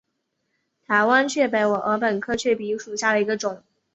台湾雀稗为禾本科雀稗属下的一个种。